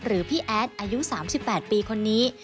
พี่แอดอายุ๓๘ปีคนนี้